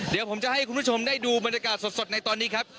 เดี๋ยวผมจะให้คุณผู้ชมได้ดูบรรยากาศสดในตอนนี้ครับ